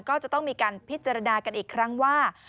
ก็จะต้องมีการพิจารณากันอีกครั้งว่า